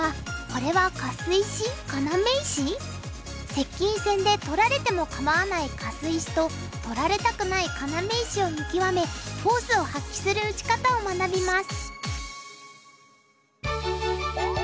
接近戦で取られても構わないカス石と取られたくない要石を見極めフォースを発揮する打ち方を学びます。